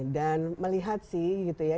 dan melihat sih gitu ya